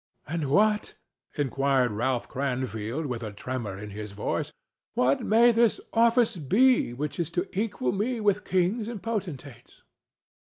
"And what," inquired Ralph Cranfield, with a tremor in his voice—"what may this office be which is to equal me with kings and potentates?"